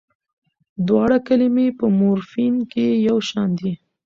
دواړه کلمې په مورفیم کې یوشان دي.